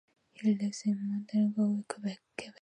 He lives in Montreal, Quebec.